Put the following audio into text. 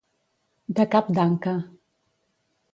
De cap d'anca.